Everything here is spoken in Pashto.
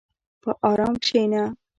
په ارام کښېنه.